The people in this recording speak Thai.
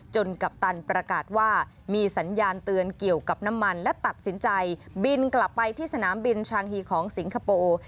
กัปตันประกาศว่ามีสัญญาณเตือนเกี่ยวกับน้ำมันและตัดสินใจบินกลับไปที่สนามบินชางฮีของสิงคโปร์